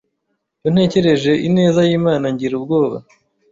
Iyo ntekereje ineza y’Imana ngira ubwoba